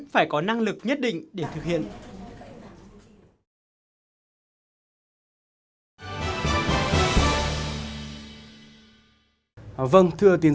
phải có năng lực nhất định để thực hiện